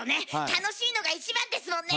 楽しいのが一番ですもんね！